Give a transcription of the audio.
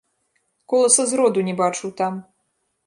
Коласа зроду не бачыў там!